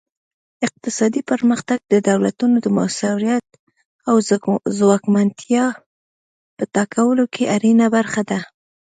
اقتصادي پرمختګ د دولتونو د موثریت او ځواکمنتیا په ټاکلو کې اړینه برخه ده